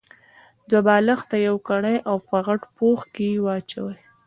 دوه بالښته يو کړئ او په غټ پوښ کې يې واچوئ.